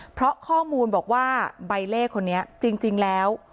เพราะข้อมูลบอกว่าใบเลขคนนี้จริงแล้ว